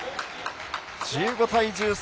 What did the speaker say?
１５対１３。